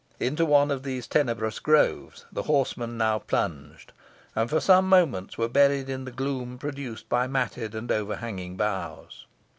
Into one of these tenebrous groves the horsemen now plunged, and for some moments were buried in the gloom produced by matted and overhanging boughs.